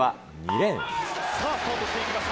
さあ、スタートしていきました。